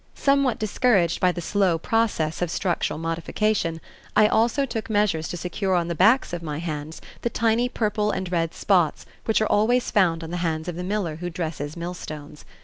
Somewhat discouraged by the slow process of structural modification, I also took measures to secure on the backs of my hands the tiny purple and red spots which are always found on the hands of the miller who dresses millstones.